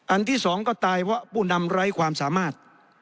ที่สองก็ตายเพราะผู้นำไร้ความสามารถ